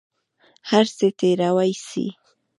هر څه تېروى سي.